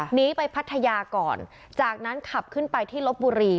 หนีไปพัทยาก่อนจากนั้นขับขึ้นไปที่ลบบุรี